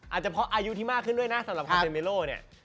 อาจจะเพราะอายุที่มากขึ้นด้วยนะสำหรับความเป็นเมโลเนี่ย